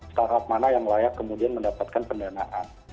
startup mana yang layak kemudian mendapatkan pendanaan